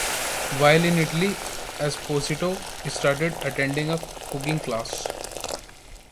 While in Italy, Esposito started attending a cooking class.